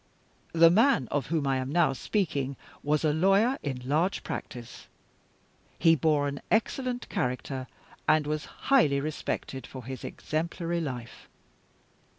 The man of whom I am now speaking was a lawyer in large practice. He bore an excellent character, and was highly respected for his exemplary life.